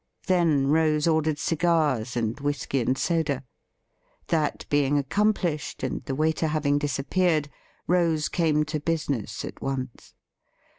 Then Rose ordered cigars and whisky and soda. That being accomplished, and the waiter having disappeared, Rose came to business at once.